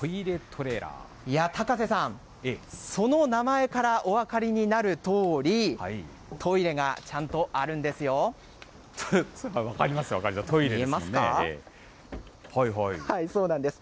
高瀬さん、その名前からお分かりになるとおり、トイレがちゃんとあるんです分かります、分かります。